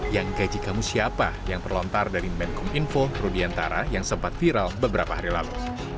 yang gaji kamu siapa yang terlontar dari menkom info rudiantara yang sempat viral beberapa hari lalu